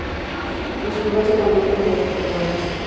En su lugar, se comunican mediante feromonas.